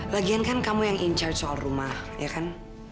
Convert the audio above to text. lagian kan kamu yang in charge soal rumah ya kan